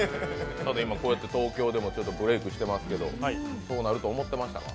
こうやって東京でもブレークしていますけど、そうなると思ってましたか？